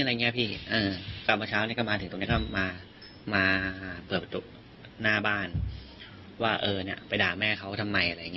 กลับเมื่อเช้าก็มาถึงตรงนี้มาเปิดประตูหน้าบ้านว่าไปด่าแม่เขาทำไม